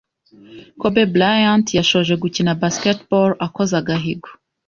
Kobe Bryant yashoje gukina Basketball akoze agahigo